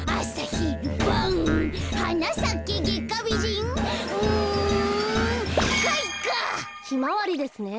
ひまわりですね。